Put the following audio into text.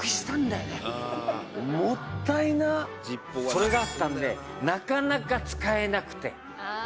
「それがあったんでなかなか使えなくて」